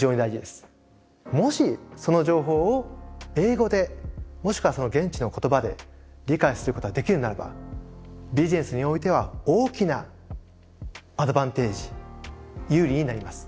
もしその情報を英語でもしくはその現地の言葉で理解することができるならばビジネスにおいては大きなアドバンテージ有利になります。